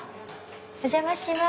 お邪魔します。